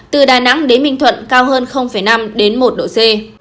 từ đà nẵng đến ninh thuận cao hơn năm một độ c